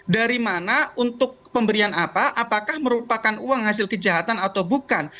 dari mana untuk pemberian apa apakah merupakan uang hasil kejahatan atau bukan